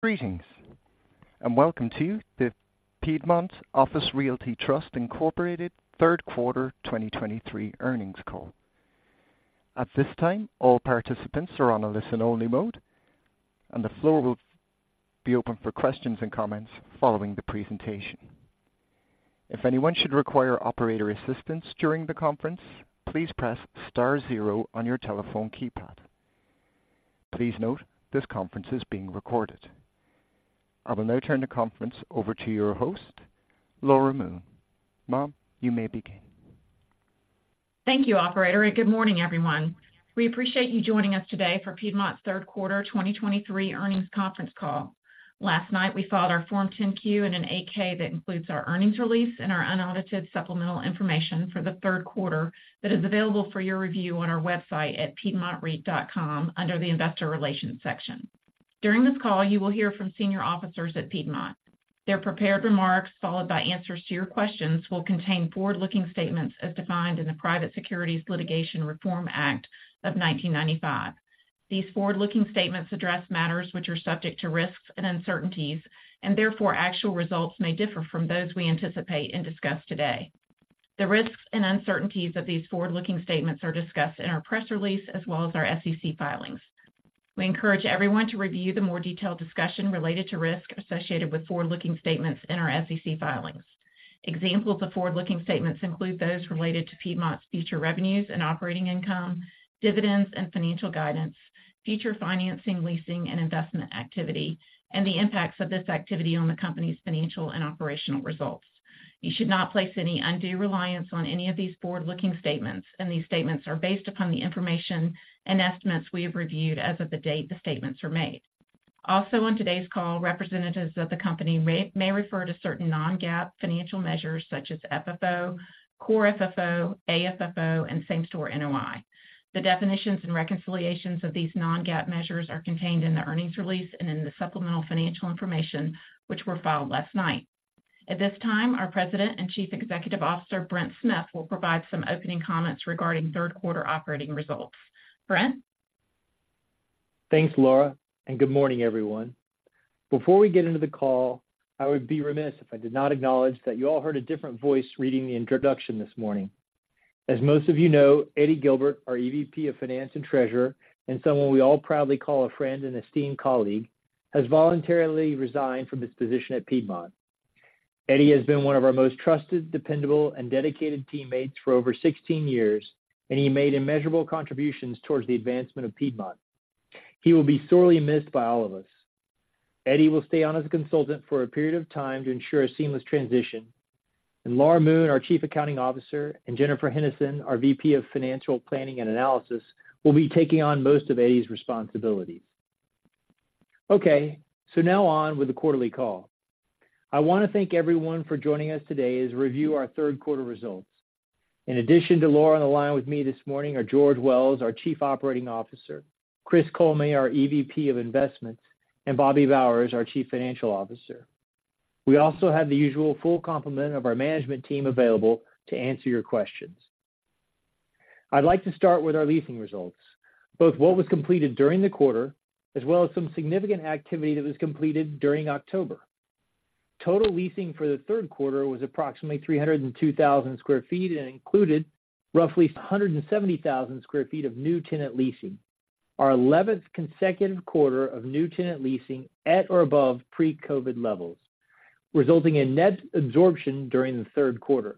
Greetings, and welcome to the Piedmont Office Realty Trust Incorporated Q3 2023 Earnings Call. At this time, all participants are on a listen-only mode, and the floor will be open for questions and comments following the presentation. If anyone should require operator assistance during the conference, please press star zero on your telephone keypad. Please note, this conference is being recorded. I will now turn the conference over to your host, Laura Moon. Ma'am, you may begin. Thank you, operator, and good morning, everyone. We appreciate you joining us today for Piedmont's Q3 2023 Earnings Conference Call. Last night, we filed our Form 10-Q and an 8-K that includes our earnings release and our unaudited supplemental information for the Q3 that is available for your review on our website at piedmontreit.com under the Investor Relations section. During this call, you will hear from senior officers at Piedmont. Their prepared remarks, followed by answers to your questions, will contain forward-looking statements as defined in the Private Securities Litigation Reform Act of 1995. These forward-looking statements address matters which are subject to risks and uncertainties, and therefore actual results may differ from those we anticipate and discuss today. The risks and uncertainties of these forward-looking statements are discussed in our press release as well as our SEC filings. We encourage everyone to review the more detailed discussion related to risks associated with forward-looking statements in our SEC filings. Examples of forward-looking statements include those related to Piedmont's future revenues and operating income, dividends and financial guidance, future financing, leasing and investment activity, and the impacts of this activity on the company's financial and operational results. You should not place any undue reliance on any of these forward-looking statements, and these statements are based upon the information and estimates we have reviewed as of the date the statements were made. Also on today's call, representatives of the company may refer to certain non-GAAP financial measures such as FFO, core FFO, AFFO, and same-store NOI. The definitions and reconciliations of these non-GAAP measures are contained in the earnings release and in the supplemental financial information, which were filed last night. At this time, our President and Chief Executive Officer, Brent Smith, will provide some opening comments regarding Q3 operating results. Brent? Thanks, Laura, and good morning, everyone. Before we get into the call, I would be remiss if I did not acknowledge that you all heard a different voice reading the introduction this morning. As most of you know, Eddie Gilbert, our EVP of Finance and Treasurer, and someone we all proudly call a friend and esteemed colleague, has voluntarily resigned from his position at Piedmont. Eddie has been one of our most trusted, dependable, and dedicated teammates for over 16 years, and he made immeasurable contributions towards the advancement of Piedmont. He will be sorely missed by all of us. Eddie will stay on as a consultant for a period of time to ensure a seamless transition, and Laura Moon, our Chief Accounting Officer, and Jennifer Hennessey, our VP of Financial Planning and Analysis, will be taking on most of Eddie's responsibilities. Okay, so now on with the quarterly call. I want to thank everyone for joining us today as we review our Q3 results. In addition to Laura, on the line with me this morning are George Wells, our Chief Operating Officer, Chris Kollme, our EVP of Investments, and Bobby Bowers, our Chief Financial Officer. We also have the usual full complement of our management team available to answer your questions. I'd like to start with our leasing results, both what was completed during the quarter, as well as some significant activity that was completed during October. Total leasing for the Q3 was approximately 302,000 sq ft and included roughly 170,000 sq ft of new tenant leasing. Our 11th consecutive quarter of new tenant leasing at or above pre-COVID levels, resulting in net absorption during the Q3.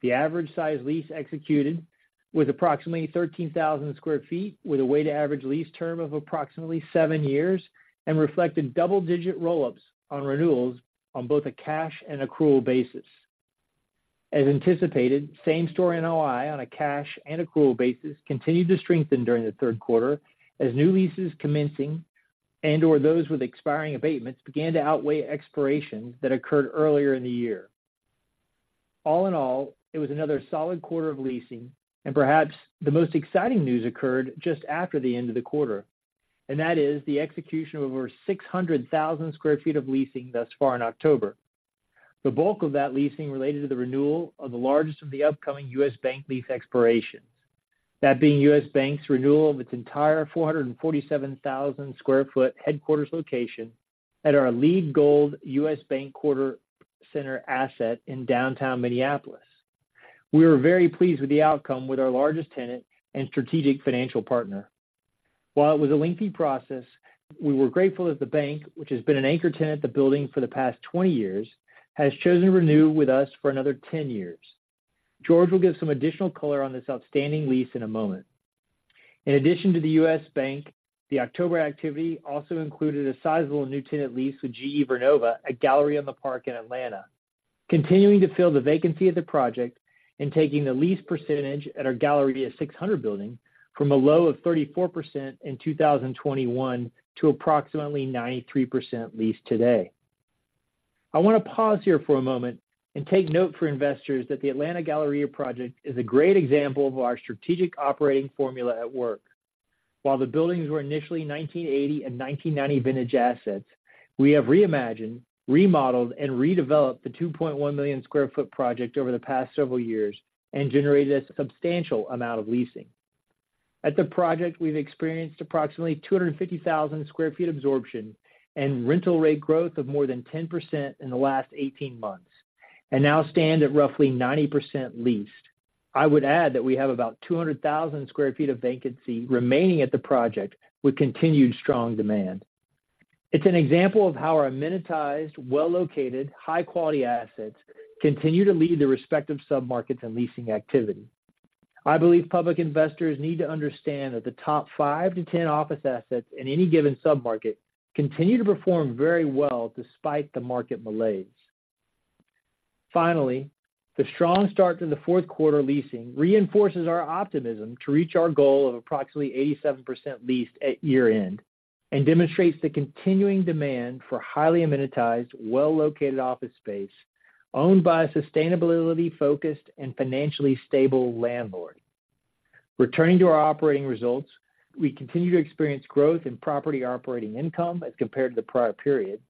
The average size lease executed was approximately 13,000 sq ft, with a weighted average lease term of approximately seven years and reflected double-digit roll-ups on renewals on both a cash and accrual basis. As anticipated, same-store NOI on a cash and accrual basis continued to strengthen during the Q3 as new leases commencing and/or those with expiring abatements began to outweigh expirations that occurred earlier in the year. All in all, it was another solid quarter of leasing, and perhaps the most exciting news occurred just after the end of the quarter, and that is the execution of over 600,000 sq ft of leasing thus far in October. The bulk of that leasing related to the renewal of the largest of the upcoming U.S. Bank lease expirations, that being U.S. Bank's renewal of its entire 447,000 sq ft headquarters location at our LEED Gold U.S. Bank Center asset in downtown Minneapolis. We were very pleased with the outcome with our largest tenant and strategic financial partner. While it was a lengthy process, we were grateful that the bank, which has been an anchor tenant at the building for the past 20 years, has chosen to renew with us for another 10 years. George will give some additional color on this outstanding lease in a moment. In addition to the U.S. Bank, the October activity also included a sizable new tenant lease with GE Vernova at Galleria on the Park in Atlanta, continuing to fill the vacancy of the project and taking the lease percentage at our Galleria 600 building from a low of 34% in 2021 to approximately 93% leased today. I want to pause here for a moment and take note for investors that the Atlanta Galleria project is a great example of our strategic operating formula at work. While the buildings were initially 1980 and 1990 vintage assets, we have reimagined, remodeled, and redeveloped the 2.1 million sq ft project over the past several years and generated a substantial amount of leasing.... At the project, we've experienced approximately 250,000 sq ft absorption and rental rate growth of more than 10% in the last 18 months, and now stand at roughly 90% leased. I would add that we have about 200,000 sq ft of vacancy remaining at the project, with continued strong demand. It's an example of how our amenitized, well-located, high-quality assets continue to lead the respective submarkets and leasing activity. I believe public investors need to understand that the top 5-10 office assets in any given submarket continue to perform very well despite the market malaise. Finally, the strong start to the fourth quarter leasing reinforces our optimism to reach our goal of approximately 87% leased at year-end, and demonstrates the continuing demand for highly amenitized, well-located office space, owned by a sustainability-focused and financially stable landlord. Returning to our operating results, we continue to experience growth in property operating income as compared to the prior period.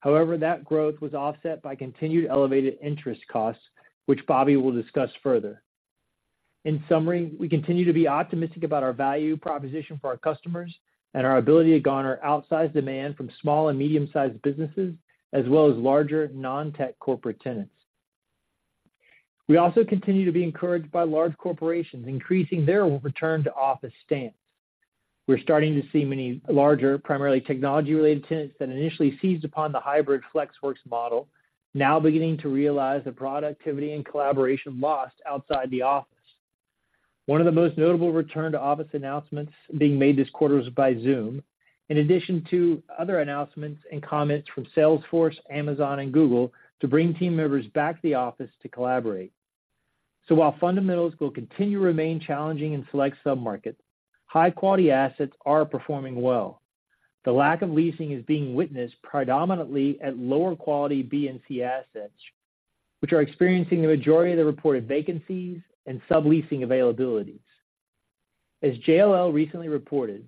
However, that growth was offset by continued elevated interest costs, which Bobby will discuss further. In summary, we continue to be optimistic about our value proposition for our customers and our ability to garner outsized demand from small and medium-sized businesses, as well as larger, non-tech corporate tenants. We also continue to be encouraged by large corporations increasing their return to office stance. We're starting to see many larger, primarily technology-related tenants that initially seized upon the hybrid flex works model, now beginning to realize the productivity and collaboration lost outside the office. One of the most notable return-to-office announcements being made this quarter was by Zoom, in addition to other announcements and comments from Salesforce, Amazon, and Google, to bring team members back to the office to collaborate. So while fundamentals will continue to remain challenging in select submarkets, high-quality assets are performing well. The lack of leasing is being witnessed predominantly at lower quality B and C assets, which are experiencing the majority of the reported vacancies and subleasing availabilities. As JLL recently reported,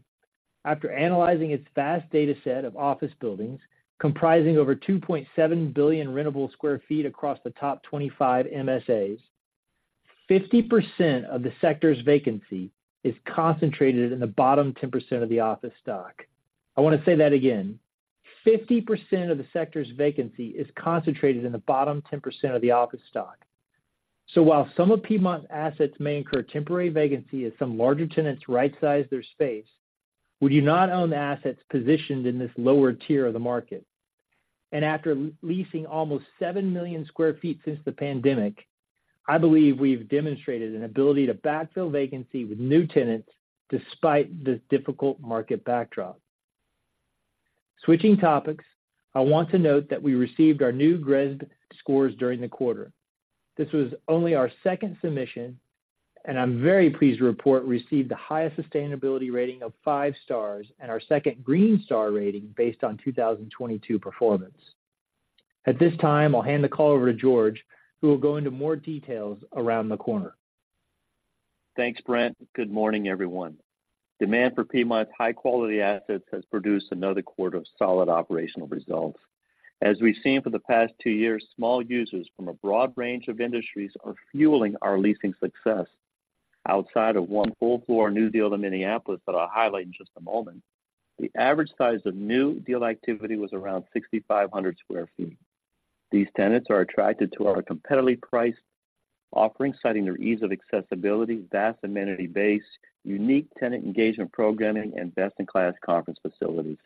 after analyzing its vast data set of office buildings, comprising over 2.7 billion rentable sq ft across the top 25 MSAs, 50% of the sector's vacancy is concentrated in the bottom 10% of the office stock. I want to say that again. 50% of the sector's vacancy is concentrated in the bottom 10% of the office stock. So while some of Piedmont's assets may incur temporary vacancy as some larger tenants right-size their space, we do not own the assets positioned in this lower tier of the market. After leasing almost 7 million sq ft since the pandemic, I believe we've demonstrated an ability to backfill vacancy with new tenants despite this difficult market backdrop. Switching topics, I want to note that we received our new GRESB scores during the quarter. This was only our second submission, and I'm very pleased to report we received the highest sustainability rating of five stars and our second green star rating based on 2022 performance. At this time, I'll hand the call over to George, who will go into more details around the corner. Thanks, Brent. Good morning, everyone. Demand for Piedmont's high-quality assets has produced another quarter of solid operational results. As we've seen for the past 2 years, small users from a broad range of industries are fueling our leasing success. Outside of one full floor new deal in Minneapolis that I'll highlight in just a moment, the average size of new deal activity was around 6,500 sq ft. These tenants are attracted to our competitively priced offerings, citing their ease of accessibility, vast amenity base, unique tenant engagement programming, and best-in-class conference facilities.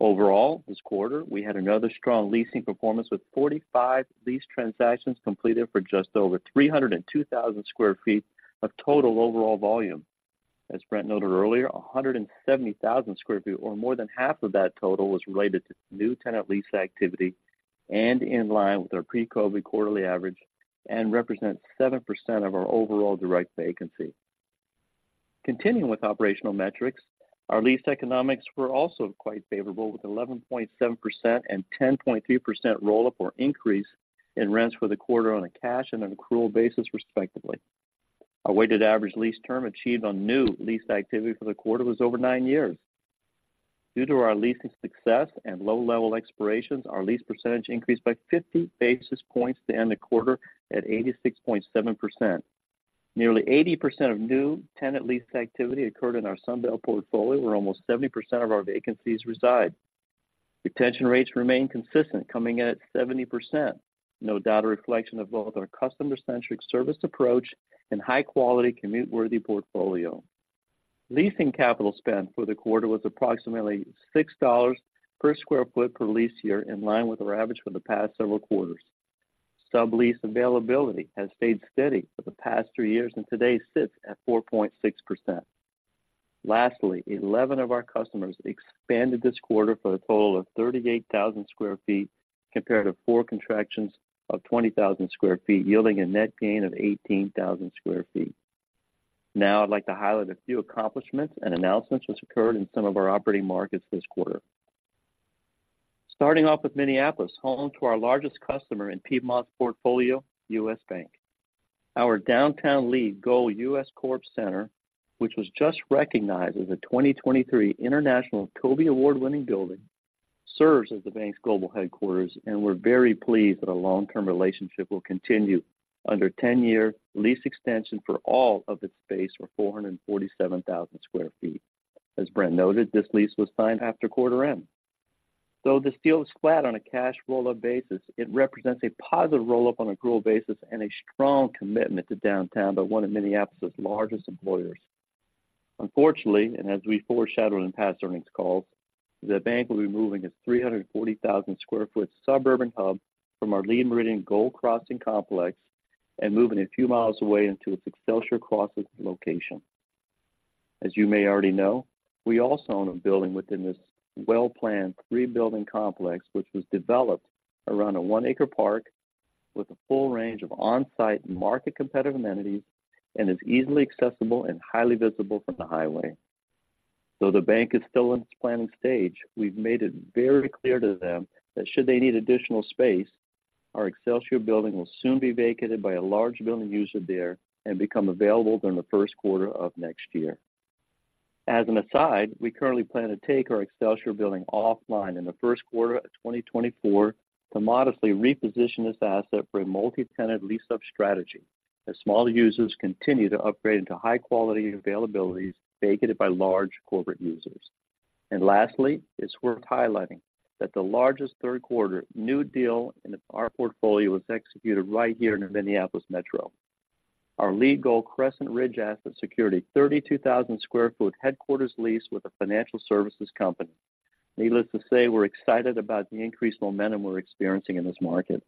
Overall, this quarter, we had another strong leasing performance, with 45 lease transactions completed for just over 302,000 sq ft of total overall volume. As Brent noted earlier, 170,000 sq ft, or more than half of that total, was related to new tenant lease activity and in line with our pre-COVID quarterly average and represents 7% of our overall direct vacancy. Continuing with operational metrics, our lease economics were also quite favorable, with 11.7% and 10.2% roll-up or increase in rents for the quarter on a cash and an accrual basis, respectively. Our weighted average lease term achieved on new lease activity for the quarter was over nine years. Due to our leasing success and low level expirations, our lease percentage increased by 50 basis points to end the quarter at 86.7%. Nearly 80% of new tenant lease activity occurred in our Sunbelt portfolio, where almost 70% of our vacancies reside. Retention rates remain consistent, coming in at 70%, no doubt a reflection of both our customer-centric service approach and high-quality, commute-worthy portfolio. Leasing capital spend for the quarter was approximately $6 per sq ft per lease year, in line with our average for the past several quarters. Sublease availability has stayed steady for the past three years, and today sits at 4.6%. Lastly, 11 of our customers expanded this quarter for a total of 38,000 sq ft, compared to four contractions of 20,000 sq ft, yielding a net gain of 18,000 sq ft. Now, I'd like to highlight a few accomplishments and announcements which occurred in some of our operating markets this quarter. Starting off with Minneapolis, home to our largest customer in Piedmont's portfolio, U.S. Bank. Our downtown LEED Gold, U.S. Bank Center, which was just recognized as a 2023 International TOBY Award-winning building, serves as the bank's global headquarters, and we're very pleased that a long-term relationship will continue under a 10-year lease extension for all of its space for 447,000 sq ft. As Brent noted, this lease was signed after quarter end. Though this deal was flat on a cash roll-up basis, it represents a positive roll-up on accrual basis and a strong commitment to downtown by one of Minneapolis's largest employers. Unfortunately, and as we foreshadowed in past earnings calls, the bank will be moving its 340,000 square foot suburban hub from our LEED Meridian Crossings complex and moving a few miles away into its Excelsior Crossings location. As you may already know, we also own a building within this well-planned three-building complex, which was developed around a 1-acre park with a full range of on-site market competitive amenities and is easily accessible and highly visible from the highway. Though the bank is still in its planning stage, we've made it very clear to them that should they need additional space, our Excelsior building will soon be vacated by a large building user there and become available during the Q1 of next year. As an aside, we currently plan to take our Excelsior building offline in the Q1 of 2024 to modestly reposition this asset for a multi-tenant lease-up strategy, as smaller users continue to upgrade into high-quality availabilities vacated by large corporate users. Lastly, it's worth highlighting that the largest Q3 new deal in our portfolio was executed right here in the Minneapolis Metro. Our LEED Gold Crescent Ridge asset secured a 32,000 sq ft headquarters lease with a financial services company. Needless to say, we're excited about the increased momentum we're experiencing in this market.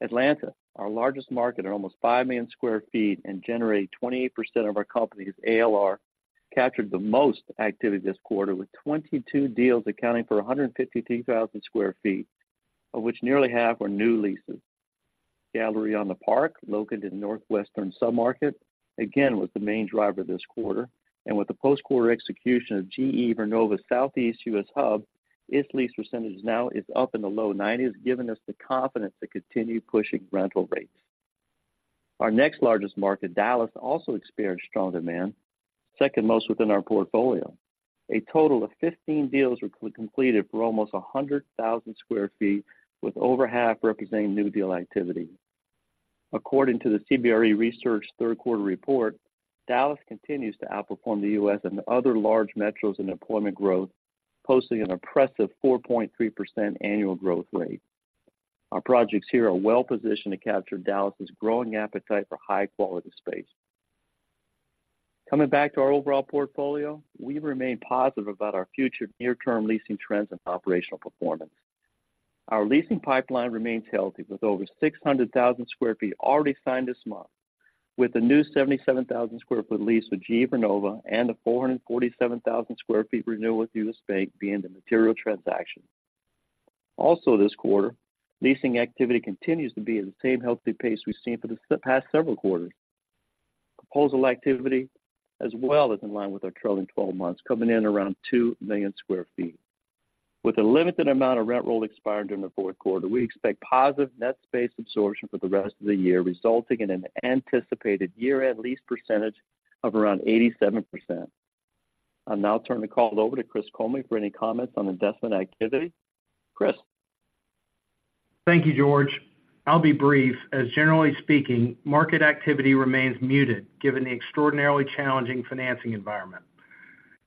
Atlanta, our largest market, at almost 5 million sq ft and generating 28% of our company's ALR, captured the most activity this quarter, with 22 deals accounting for 152,000 sq ft, of which nearly half were new leases. Galleria on the Park, located in the Northwestern submarket, again, was the main driver this quarter, and with the post-quarter execution of GE Vernova's Southeast US hub, its lease percentage now is up in the low 90s, giving us the confidence to continue pushing rental rates. Our next largest market, Dallas, also experienced strong demand, second most within our portfolio. A total of 15 deals were co-completed for almost 100,000 sq ft, with over half representing new deal activity. According to the CBRE Research Q3 report, Dallas continues to outperform the U.S. and other large metros in employment growth, posting an impressive 4.3% annual growth rate. Our projects here are well positioned to capture Dallas's growing appetite for high-quality space. Coming back to our overall portfolio, we remain positive about our future near-term leasing trends and operational performance. Our leasing pipeline remains healthy, with over 600,000 sq ft already signed this month, with a new 77,000 sq ft lease with GE Vernova and a 447,000 sq ft renewal with U.S. Bank being the material transaction. Also this quarter, leasing activity continues to be at the same healthy pace we've seen for the past several quarters. Proposal activity as well is in line with our trailing twelve months, coming in around 2 million sq ft. With a limited amount of rent roll expiring during the Q4, we expect positive net space absorption for the rest of the year, resulting in an anticipated year-end lease percentage of around 87%. I'll now turn the call over to Chris Kollme for any comments on investment activity. Chris? Thank you, George. I'll be brief, as generally speaking, market activity remains muted, given the extraordinarily challenging financing environment.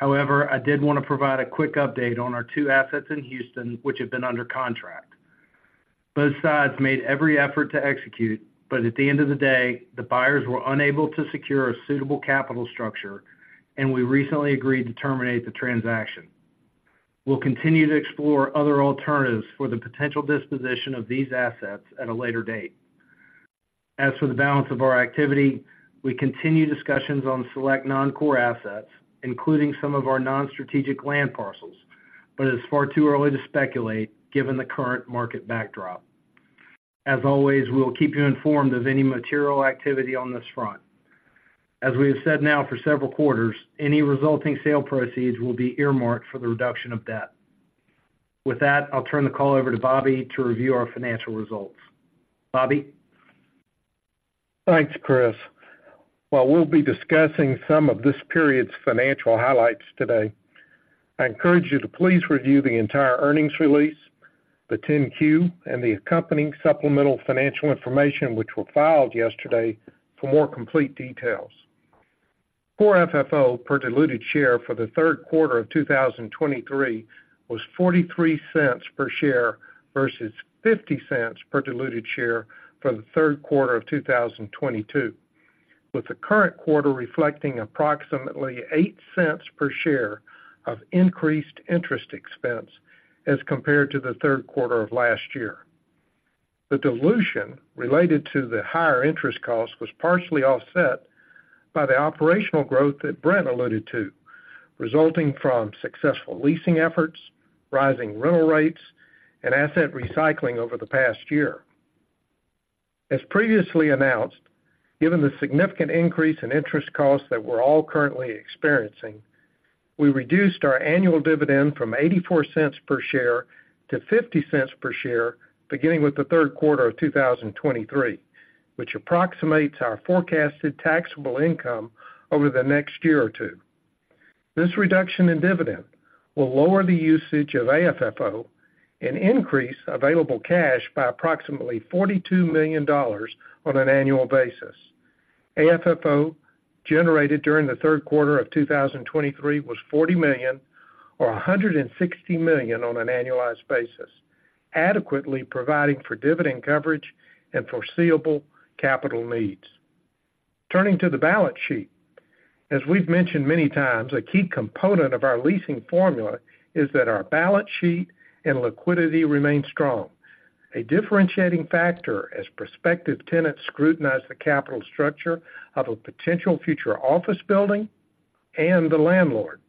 However, I did want to provide a quick update on our two assets in Houston, which have been under contract. Both sides made every effort to execute, but at the end of the day, the buyers were unable to secure a suitable capital structure, and we recently agreed to terminate the transaction. We'll continue to explore other alternatives for the potential disposition of these assets at a later date. As for the balance of our activity, we continue discussions on select non-core assets, including some of our non-strategic land parcels, but it's far too early to speculate, given the current market backdrop. As always, we'll keep you informed of any material activity on this front. As we have said now for several quarters, any resulting sale proceeds will be earmarked for the reduction of debt. With that, I'll turn the call over to Bobby to review our financial results. Bobby? Thanks, Chris. While we'll be discussing some of this period's financial highlights today, I encourage you to please review the entire earnings release, the 10-Q, and the accompanying supplemental financial information, which were filed yesterday, for more complete details. Core FFO per diluted share for the Q3 of 2023 was $0.43 per share versus $0.50 per diluted share for the Q3 of 2022, with the current quarter reflecting approximately $0.08 per share of increased interest expense as compared to the Q3 of last year. The dilution related to the higher interest cost was partially offset by the operational growth that Brent alluded to, resulting from successful leasing efforts, rising rental rates, and asset recycling over the past year. As previously announced, given the significant increase in interest costs that we're all currently experiencing, we reduced our annual dividend from $0.84 per share to $0.50 per share, beginning with the Q3 of 2023, which approximates our forecasted taxable income over the next year or two. This reduction in dividend will lower the usage of AFFO and increase available cash by approximately $42 million on an annual basis. AFFO, generated during the Q3 of 2023, was $40 million, or $160 million on an annualized basis, adequately providing for dividend coverage and foreseeable capital needs. Turning to the balance sheet. As we've mentioned many times, a key component of our leasing formula is that our balance sheet and liquidity remain strong. A differentiating factor as prospective tenants scrutinize the capital structure of a potential future office building and the landlord.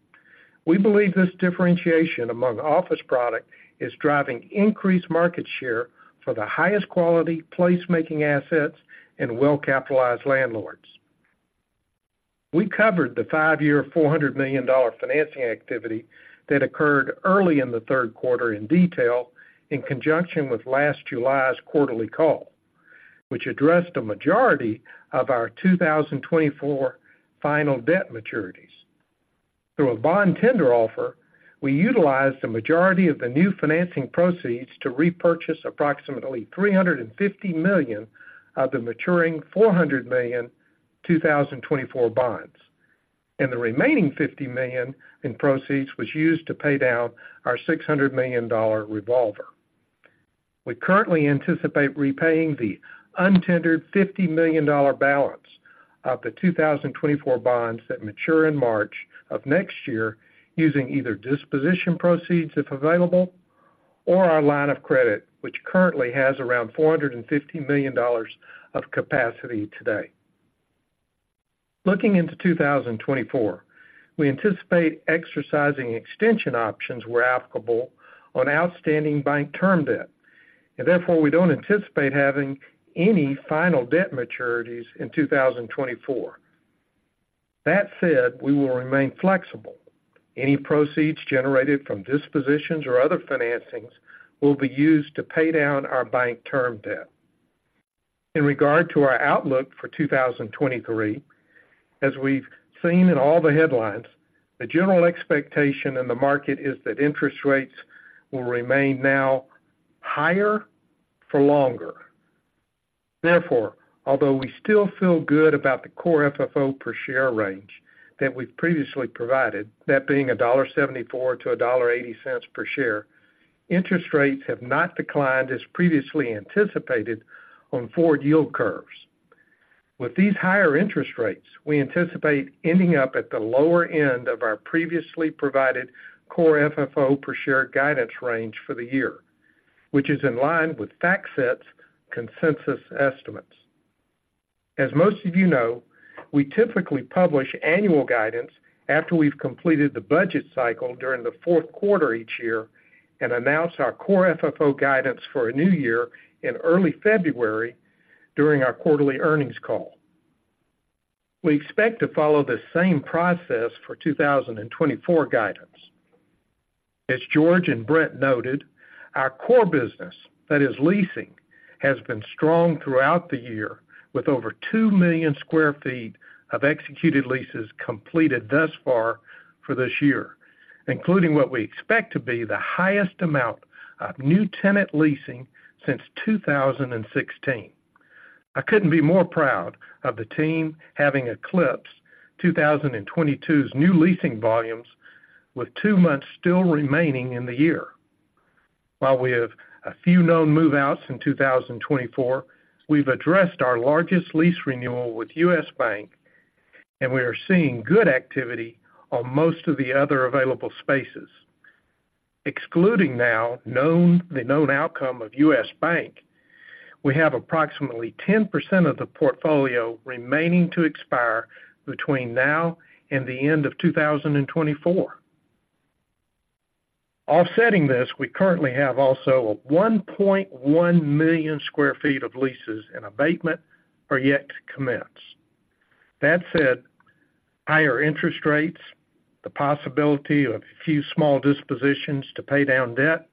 We believe this differentiation among office product is driving increased market share for the highest quality place-making assets and well-capitalized landlords. We covered the 5-year, $400 million financing activity that occurred early in the Q3 in detail, in conjunction with last July's quarterly call, which addressed a majority of our 2024 final debt maturities. Through a bond tender offer, we utilized the majority of the new financing proceeds to repurchase approximately $350 million of the maturing $400 million 2024 bonds, and the remaining $50 million in proceeds was used to pay down our $600 million revolver. We currently anticipate repaying the untendered $50 million balance of the 2024 bonds that mature in March of next year, using either disposition proceeds, if available, or our line of credit, which currently has around $450 million of capacity today. Looking into 2024, we anticipate exercising extension options, where applicable, on outstanding bank term debt, and therefore, we don't anticipate having any final debt maturities in 2024. That said, we will remain flexible. Any proceeds generated from dispositions or other financings will be used to pay down our bank term debt. In regard to our outlook for 2023, as we've seen in all the headlines, the general expectation in the market is that interest rates will remain now higher for longer. Therefore, although we still feel good about the Core FFO per share range that we've previously provided, that being $1.74-$1.80 per share, interest rates have not declined as previously anticipated on forward yield curves. With these higher interest rates, we anticipate ending up at the lower end of our previously provided Core FFO per share guidance range for the year, which is in line with FactSet's consensus estimates. As most of you know, we typically publish annual guidance after we've completed the budget cycle during the Q4 each year and announce our Core FFO guidance for a new year in early February during our Quarterly Earnings Call. We expect to follow the same process for 2024 guidance. As George and Brent noted, our core business, that is, leasing, has been strong throughout the year, with over 2 million sq ft of executed leases completed thus far for this year, including what we expect to be the highest amount of new tenant leasing since 2016. I couldn't be more proud of the team having eclipsed 2022's new leasing volumes with 2 months still remaining in the year. While we have a few known move-outs in 2024, we've addressed our largest lease renewal with U.S. Bank, and we are seeing good activity on most of the other available spaces. Excluding the known outcome of U.S. Bank, we have approximately 10% of the portfolio remaining to expire between now and the end of 2024. Offsetting this, we currently have also a 1.1 million sq ft of leases and abatement are yet to commence. That said, higher interest rates, the possibility of a few small dispositions to pay down debt,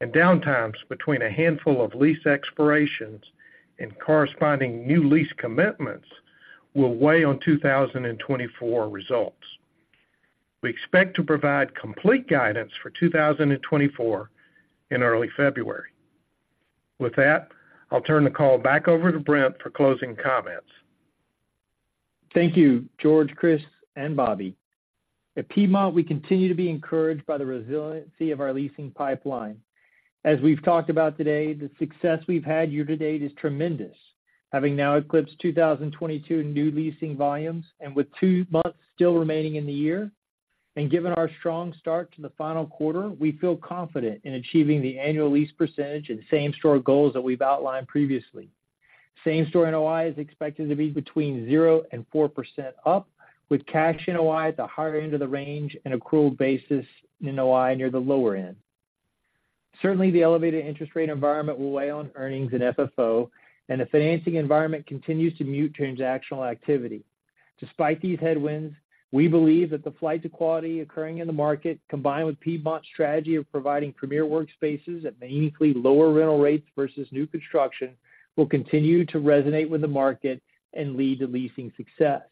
and downtimes between a handful of lease expirations and corresponding new lease commitments will weigh on 2024 results. We expect to provide complete guidance for 2024 in early February. With that, I'll turn the call back over to Brent for closing comments. Thank you, George, Chris, and Bobby. At Piedmont, we continue to be encouraged by the resiliency of our leasing pipeline. As we've talked about today, the success we've had year to date is tremendous. Having now eclipsed 2022 new leasing volumes, and with two months still remaining in the year, and given our strong start to the final quarter, we feel confident in achieving the annual lease percentage and same-store goals that we've outlined previously. Same-store NOI is expected to be between 0% and 4% up, with cash NOI at the higher end of the range and accrual basis NOI near the lower end. Certainly, the elevated interest rate environment will weigh on earnings and FFO, and the financing environment continues to mute transactional activity. Despite these headwinds, we believe that the flight to quality occurring in the market, combined with Piedmont's strategy of providing premier workspaces at meaningfully lower rental rates versus new construction, will continue to resonate with the market and lead to leasing success.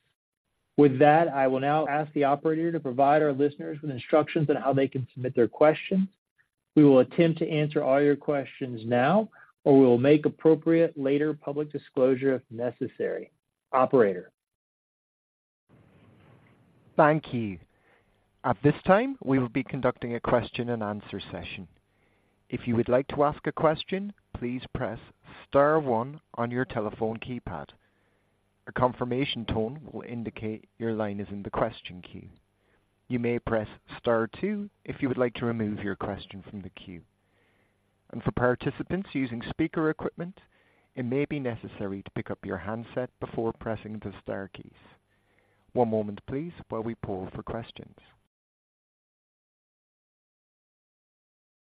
With that, I will now ask the operator to provide our listeners with instructions on how they can submit their questions. We will attempt to answer all your questions now, or we will make appropriate later public disclosure if necessary. Operator? Thank you. At this time, we will be conducting a question-and-answer session. If you would like to ask a question, please press star one on your telephone keypad. A confirmation tone will indicate your line is in the question queue. You may press star two if you would like to remove your question from the queue. And for participants using speaker equipment, it may be necessary to pick up your handset before pressing the star keys. One moment please, while we poll for questions.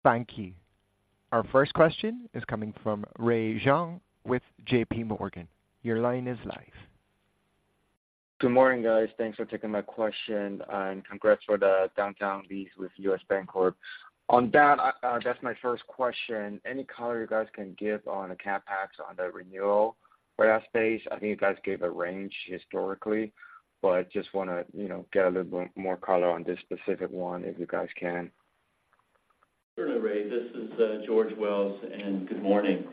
Thank you. Our first question is coming from Ray Zhang with JP Morgan. Your line is live. Good morning, guys. Thanks for taking my question, and congrats for the downtown lease with U.S. Bank. On that, that's my first question. Any color you guys can give on the CapEx on the renewal for that space? I think you guys gave a range historically, but just wanna, you know, get a little bit more color on this specific one, if you guys can. Sure, Ray, this is George Wells, and good morning.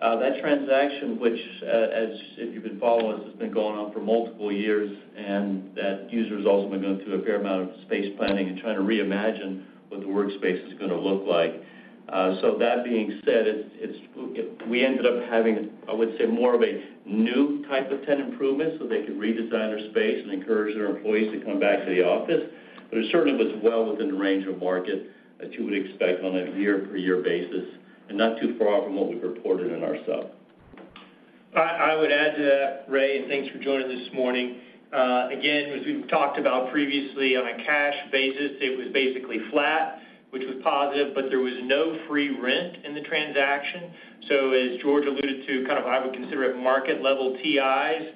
That transaction, which, if you've been following us, has been going on for multiple years, and that user has also been going through a fair amount of space planning and trying to reimagine what the workspace is gonna look like. So that being said, it's we ended up having, I would say, more of a new type of tenant improvement, so they could redesign their space and encourage their employees to come back to the office. But it certainly was well within the range of market that you would expect on a year-per-year basis and not too far from what we've reported in our sub. I, I would add to that, Ray, and thanks for joining this morning. Again, as we've talked about previously, on a cash basis, it was basically flat, which was positive, but there was no free rent in the transaction. So as George alluded to, kind of, I would consider it market-level TIs,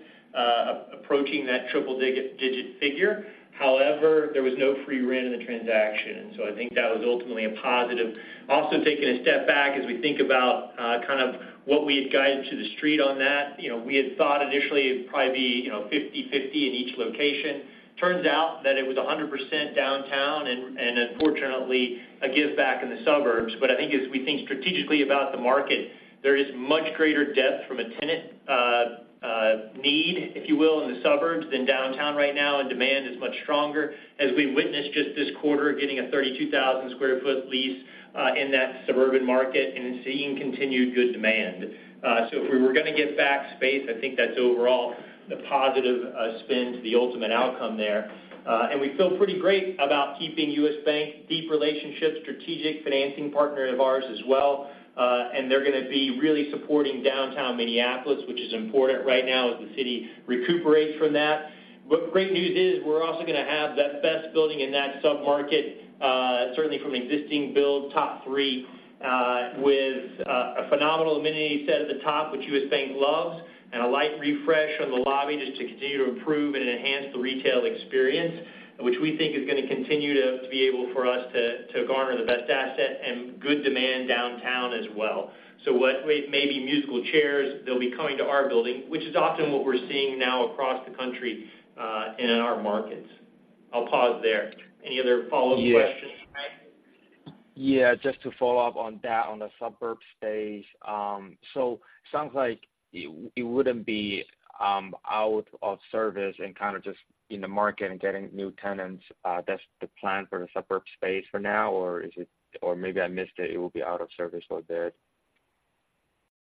approaching that triple-digit figure. However, there was no free rent in the transaction, and so I think that was ultimately a positive. Also, taking a step back, as we think about, kind of what we had guided to the street on that, you know, we had thought initially it'd probably be, you know, 50/50 in each location. Turns out that it was 100% downtown and, unfortunately, a give back in the suburbs. But I think as we think strategically about the market, there is much greater depth from a tenant, need, if you will, in the suburbs than downtown right now, and demand is much stronger. As we've witnessed just this quarter, getting a 32,000 sq ft lease in that suburban market and seeing continued good demand. So if we were gonna give back space, I think that's overall the positive, spin to the ultimate outcome there. And we feel pretty great about keeping U.S. Bank, deep relationship, strategic financing partner of ours as well. And they're gonna be really supporting downtown Minneapolis, which is important right now as the city recuperates from that. But great news is, we're also gonna have the best building in that sub-market, certainly from an existing build, top three, with a phenomenal amenity set at the top, which U.S. Bank loves, and a light refresh on the lobby just to continue to improve and enhance the retail experience, which we think is gonna continue to be able for us to garner the best asset and good demand downtown as well. So what may be musical chairs, they'll be coming to our building, which is often what we're seeing now across the country, and in our markets. I'll pause there. Any other follow-up questions, Ray? Yeah, just to follow up on that, on the suburban space. So sounds like it wouldn't be out of service and kind of just in the market and getting new tenants. That's the plan for the suburban space for now, or is it or maybe I missed it, it will be out of service for a bit?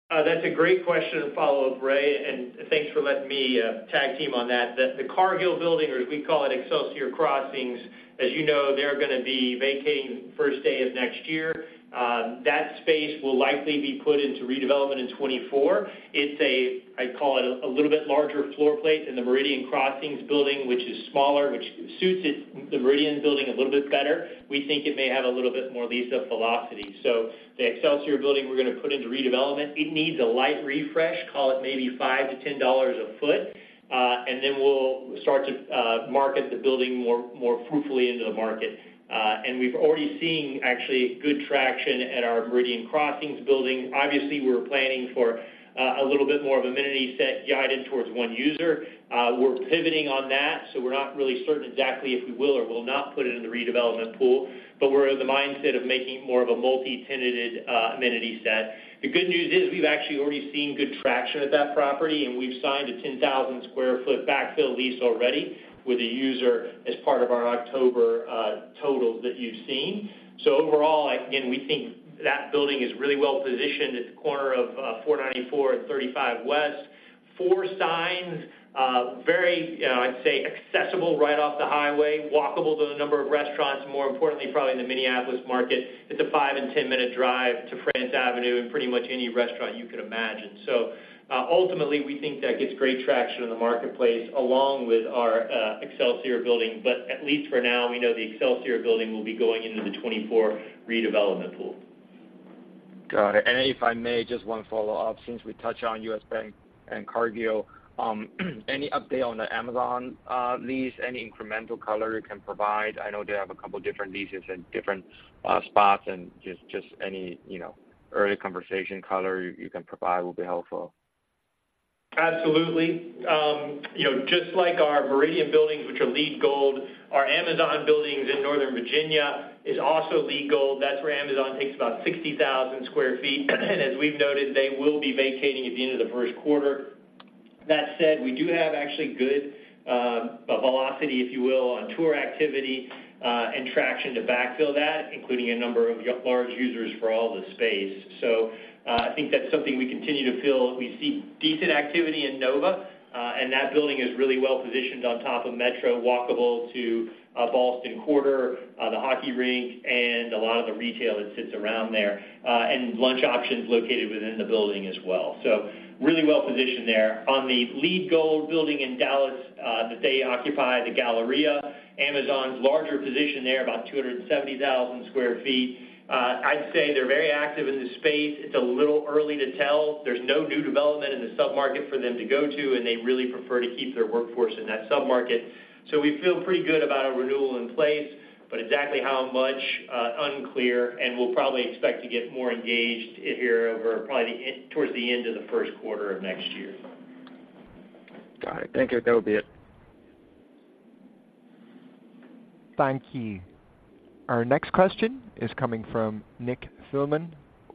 That's a great question to follow up, Ray, and thanks for letting me tag team on that. The Cargill Building, or as we call it, Excelsior Crossings, as you know, they're gonna be vacating first day of next year. That space will likely be put into redevelopment in 2024. It's a, I'd call it, a little bit larger floor plate than the Meridian Crossings building, which is smaller, which suits it, the Meridian building, a little bit better. We think it may have a little bit more lease up velocity. So the Excelsior Building, we're gonna put into redevelopment. It needs a light refresh, call it maybe $5-$10 a foot, and then we'll start to market the building more fruitfully into the market. And we've already seen actually good traction at our Meridian Crossings building. Obviously, we were planning for a little bit more of amenity set guided towards one user. We're pivoting on that, so we're not really certain exactly if we will or will not put it in the redevelopment pool, but we're in the mindset of making more of a multi-tenanted amenity set. The good news is, we've actually already seen good traction at that property, and we've signed a 10,000 sq ft backfill lease already with a user as part of our October totals that you've seen. So overall, again, we think that building is really well positioned. It's the corner of 494 and 35 West. four signs, very, I'd say, accessible right off the highway, walkable to a number of restaurants, more importantly, probably in the Minneapolis market. It's a five- and 10-minute drive to France Avenue and pretty much any restaurant you could imagine. So, ultimately, we think that gets great traction in the marketplace, along with our Excelsior Building. But at least for now, we know the Excelsior Building will be going into the 2024 redevelopment pool. Got it. And if I may, just one follow-up, since we touched on U.S. Bank and Cargill. Any update on the Amazon lease? Any incremental color you can provide? I know they have a couple different leases in different spots, and just any, you know, early conversation color you can provide will be helpful. Absolutely. You know, just like our Meridian buildings, which are LEED Gold, our Amazon buildings in Northern Virginia is also LEED Gold. That's where Amazon takes about 60,000 sq ft, and as we've noted, they will be vacating at the end of the Q1. That said, we do have actually good velocity, if you will, on tour activity and traction to backfill that, including a number of large users for all the space. So, I think that's something we continue to feel. We see decent activity in Nova, and that building is really well positioned on top of Metro, walkable to Ballston Quarter, the hockey rink, and a lot of the retail that sits around there, and lunch options located within the building as well. So really well positioned there. On the LEED Gold building in Dallas that they occupy, the Galleria, Amazon's larger position there, about 270,000 sq ft. I'd say they're very active in the space. It's a little early to tell. There's no new development in the submarket for them to go to, and they really prefer to keep their workforce in that submarket. So we feel pretty good about our renewal in place, but exactly how much, unclear, and we'll probably expect to get more engaged here over probably towards the end of the Q1 of next year. Got it. Thank you. That will be it. Thank you. Our next question is coming from Nick Thillman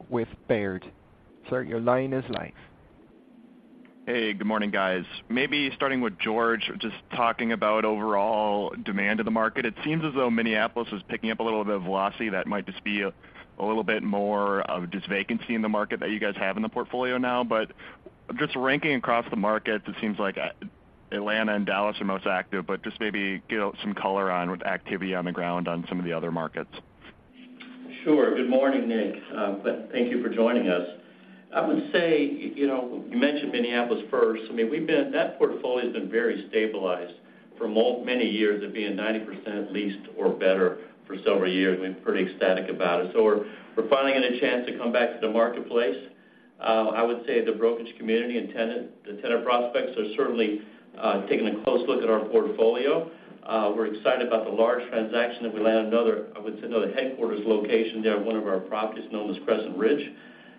with Baird. Sir, your line is live. Hey, good morning, guys. Maybe starting with George, just talking about overall demand in the market. It seems as though Minneapolis is picking up a little bit of velocity. That might just be a little bit more of just vacancy in the market that you guys have in the portfolio now. But just ranking across the market, it seems like, Atlanta and Dallas are most active, but just maybe give some color on with activity on the ground on some of the other markets. Sure. Good morning, Nick. Thank you for joining us. I would say, you know, you mentioned Minneapolis first. I mean, we've been. That portfolio has been very stabilized for many years of being 90% leased or better for several years. We're pretty ecstatic about it. So we're finally getting a chance to come back to the marketplace. I would say the brokerage community and tenant, the tenant prospects are certainly taking a close look at our portfolio. We're excited about the large transaction that we land another, I would say, another headquarters location there at one of our properties known as Crescent Ridge.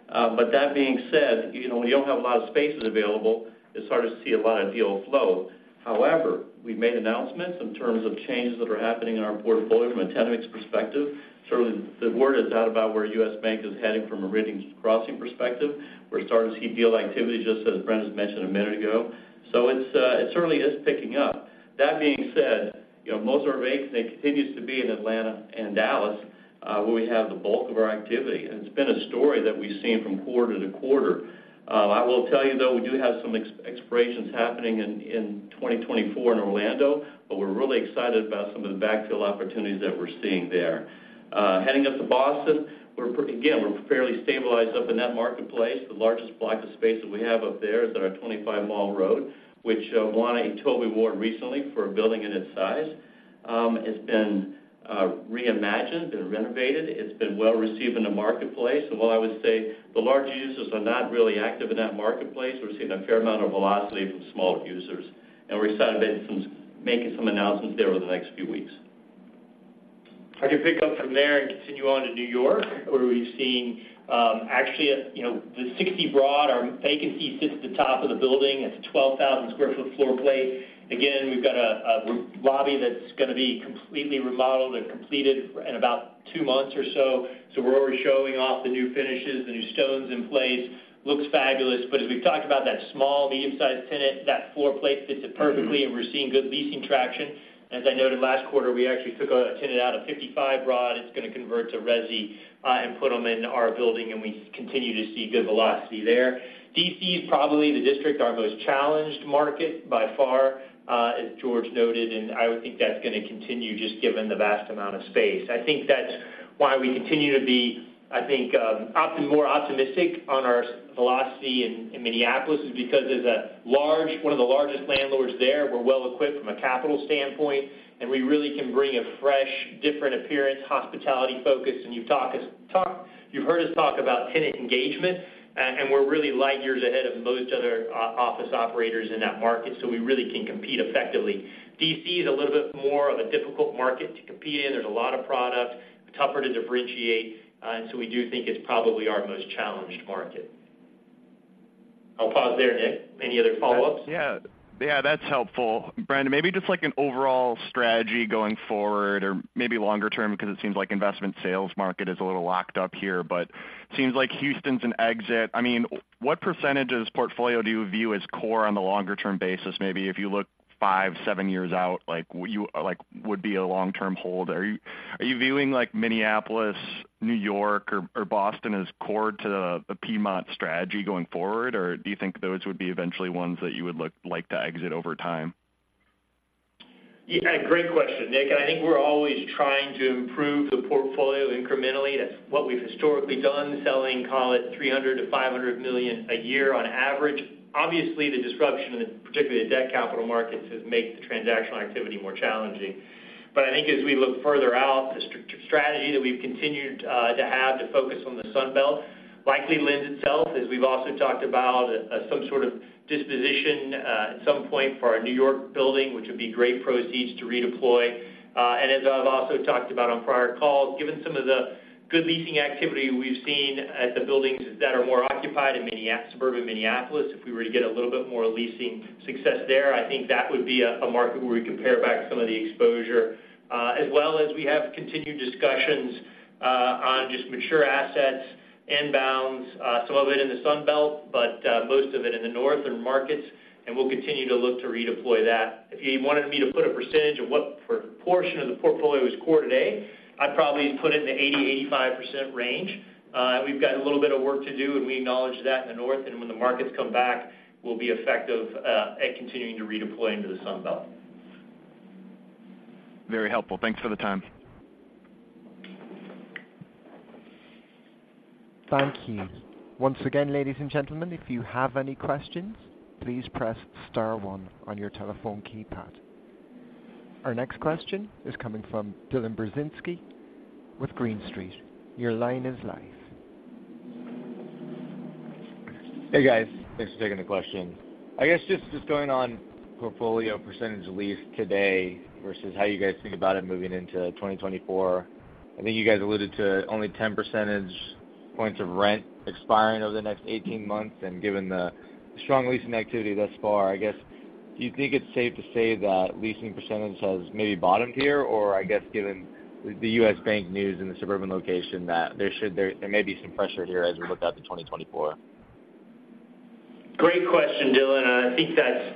But that being said, you know, we don't have a lot of spaces available. It's hard to see a lot of deal flow. However, we've made announcements in terms of changes that are happening in our portfolio from a tenant mix perspective. Certainly, the word is out about where U.S. Bank is heading from an Excelsior Crossings perspective. We're starting to see deal activity, just as Brent mentioned a minute ago. So it's, it certainly is picking up. That being said, you know, most of our vacancy continues to be in Atlanta and Dallas, where we have the bulk of our activity, and it's been a story that we've seen from quarter to quarter. I will tell you, though, we do have some expirations happening in 2024 in Orlando, but we're really excited about some of the backfill opportunities that we're seeing there. Heading up to Boston, we're fairly stabilized up in that marketplace. The largest block of space that we have up there is at our 25 Mall Road, which won a TOBY Award recently for a building in its size. It's been reimagined and renovated. It's been well received in the marketplace, and while I would say the large users are not really active in that marketplace, we're seeing a fair amount of velocity from smaller users, and we're excited about making some announcements there over the next few weeks. I can pick up from there and continue on to New York, where we've seen, actually, you know, the 60 Broad, our vacancy sits at the top of the building. It's a 12,000 sq ft floor plate. Again, we've got a lobby that's gonna be completely remodeled and completed in about two months or so. So we're already showing off the new finishes, the new stones in place. Looks fabulous, but as we've talked about, that small medium-sized tenant, that floor plate fits it perfectly, and we're seeing good leasing traction. As I noted last quarter, we actually took a tenant out of 55 Broad. It's gonna convert to Resi, and put them in our building, and we continue to see good velocity there. D.C. is probably the district, our most challenged market by far, as George noted, and I would think that's gonna continue just given the vast amount of space. I think that's why we continue to be, I think, more optimistic on our velocity in, in Minneapolis is because there's one of the largest landlords there. We're well equipped from a capital standpoint, and we really can bring a fresh, different appearance, hospitality focus. And you've heard us talk about tenant engagement, and we're really light years ahead of most other office operators in that market, so we really can compete effectively. D.C. is a little bit more of a difficult market to compete in. There's a lot of product, tougher to differentiate, and so we do think it's probably our most challenged market. I'll pause there, Nick. Any other follow-ups? Yeah. Yeah, that's helpful. Brandon, maybe just like an overall strategy going forward or maybe longer term, because it seems like investment sales market is a little locked up here, but seems like Houston's an exit. I mean, what percentage of this portfolio do you view as core on the longer-term basis? Maybe if you look five, seven years out, like, you-- like, would be a long-term hold. Are you, are you viewing, like, Minneapolis, New York, or, or Boston as core to the Piedmont strategy going forward? Or do you think those would be eventually ones that you would look like to exit over time? Yeah, great question, Nick. I think we're always trying to improve the portfolio incrementally. That's what we've historically done, selling, call it, $300 million-$500 million a year on average. Obviously, the disruption, particularly the debt capital markets, has made the transactional activity more challenging. But I think as we look further out, the strategy that we've continued to have to focus on the Sun Belt likely lends itself, as we've also talked about, some sort of disposition at some point for our New York building, which would be great proceeds to redeploy. And as I've also talked about on prior calls, given some of the good leasing activity we've seen at the buildings that are more occupied in Minneapolis-suburban Minneapolis, if we were to get a little bit more leasing success there, I think that would be a market where we compare back some of the exposure. As well as we have continued discussions on just mature assets, inbounds, some of it in the Sun Belt, but most of it in the north in markets, and we'll continue to look to redeploy that. If you wanted me to put a percentage of what proportion of the portfolio is core today, I'd probably put it in the 80%-85% range. We've got a little bit of work to do, and we acknowledge that in the north. When the markets come back, we'll be effective at continuing to redeploy into the Sun Belt. Very helpful. Thanks for the time. Thank you. Once again, ladies and gentlemen, if you have any questions, please press star one on your telephone keypad. Our next question is coming from Dylan Burzinski with Green Street. Your line is live. Hey, guys. Thanks for taking the question. I guess just, just going on portfolio percentage lease today versus how you guys think about it moving into 2024. I think you guys alluded to only 10 percentage points of rent expiring over the next 18 months, and given the strong leasing activity thus far, I guess, do you think it's safe to say that leasing percentage has maybe bottomed here? Or I guess, given the U.S. Bank news in the suburban location, that there should—there, there may be some pressure here as we look out to 2024. Great question, Dylan. I think that's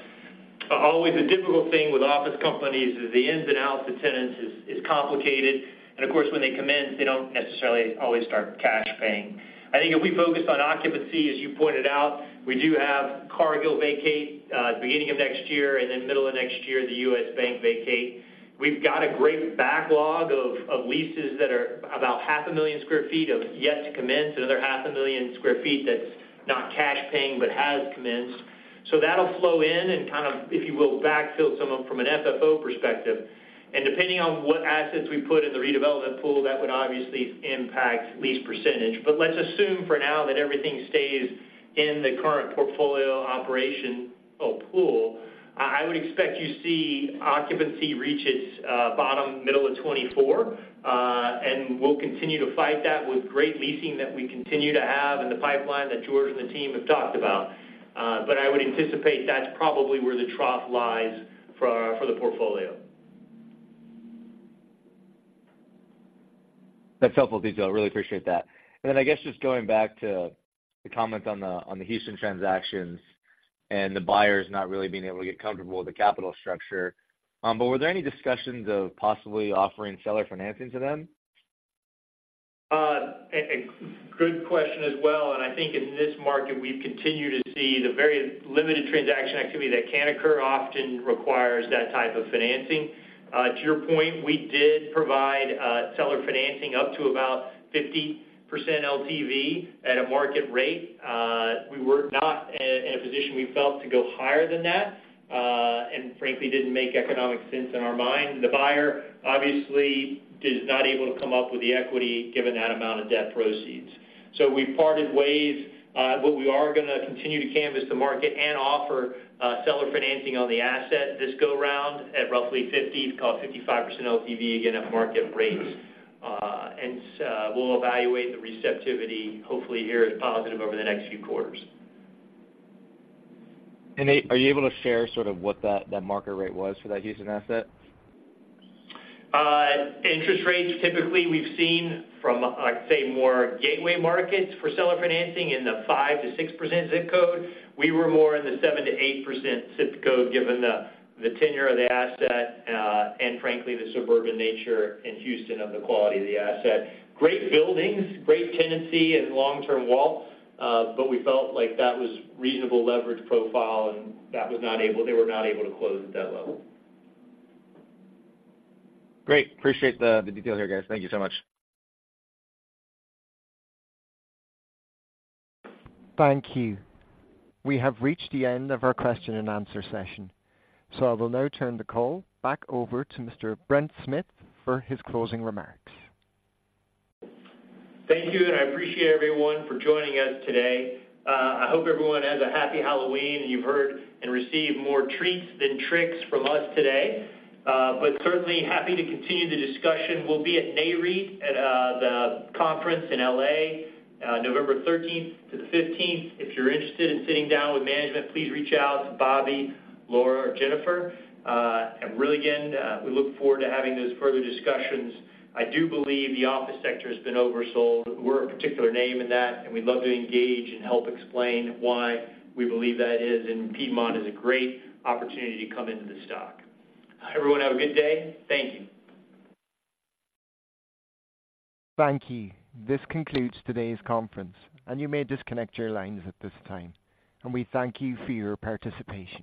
always a difficult thing with office companies, is the ins and outs of tenants is complicated. And of course, when they come in, they don't necessarily always start cash paying. I think if we focus on occupancy, as you pointed out, we do have Cargill vacate at the beginning of next year, and then middle of next year, the U.S. Bank vacate. We've got a great backlog of leases that are about 500,000 sq ft of yet to commence, another 500,000 sq ft that's not cash paying, but has commenced. So that'll flow in and kind of, if you will, backfill some of them from an FFO perspective. And depending on what assets we put in the redevelopment pool, that would obviously impact lease percentage. But let's assume for now that everything stays in the current portfolio operation, pool, I would expect you see occupancy reach its bottom middle of 2024, and we'll continue to fight that with great leasing that we continue to have in the pipeline that George and the team have talked about. But I would anticipate that's probably where the trough lies for the portfolio. That's helpful detail. I really appreciate that. And then I guess just going back to the comment on the Houston transactions and the buyers not really being able to get comfortable with the capital structure, but were there any discussions of possibly offering seller financing to them? A good question as well, and I think in this market, we've continued to see the very limited transaction activity that can occur, often requires that type of financing. To your point, we did provide seller financing up to about 50% LTV at a market rate. We were not in a position we felt to go higher than that, and frankly, didn't make economic sense in our minds. The buyer obviously is not able to come up with the equity given that amount of debt proceeds. So we parted ways, but we are gonna continue to canvass the market and offer seller financing on the asset this go round at roughly 50, call it 55% LTV, again, at market rates. And so we'll evaluate the receptivity, hopefully it is positive over the next few quarters. Are you able to share sort of what that market rate was for that Houston asset? Interest rates, typically, we've seen from, like, say, more gateway markets for seller financing in the 5%-6% zip code. We were more in the 7%-8% zip code, given the tenure of the asset, and frankly, the suburban nature and Houston of the quality of the asset. Great buildings, great tenancy and long-term wall, but we felt like that was reasonable leverage profile, and that was not able... They were not able to close at that level. Great. Appreciate the detail here, guys. Thank you so much. Thank you. We have reached the end of our question and answer session, so I will now turn the call back over to Mr Brent Smith for his closing remarks. Thank you, and I appreciate everyone for joining us today. I hope everyone has a happy Halloween, and you've heard and received more treats than tricks from us today. But certainly happy to continue the discussion. We'll be at NAREIT, at the conference in LA, November thirteenth to the fifteenth. If you're interested in sitting down with management, please reach out to Bobby, Laura or Jennifer. And really, again, we look forward to having those further discussions. I do believe the office sector has been oversold. We're a particular name in that, and we'd love to engage and help explain why we believe that is, and Piedmont is a great opportunity to come into the stock. Everyone, have a good day. Thank you. Thank you. This concludes today's Conference, and you may disconnect your lines at this time, and we thank you for your participation.